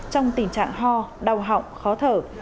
trong tình trạng ho đau họng khó thở